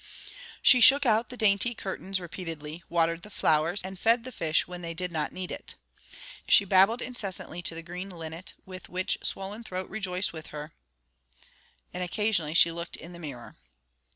She shook out the dainty curtains repeatedly, watered the flowers, and fed the fish when they did not need it. She babbled incessantly to the green linnet, which with swollen throat rejoiced with her, and occasionally she looked in the mirror.